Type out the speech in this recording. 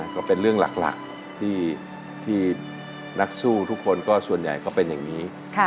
ก็เป็นเรื่องหลักที่นักสู้ทุกคนก็ส่วนใหญ่ก็เป็นอย่างนี้